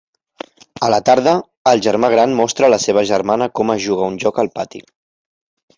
A la tarda, el germà gran mostra a la seva germana com es juga a un joc al pati.